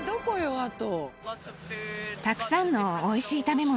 あと。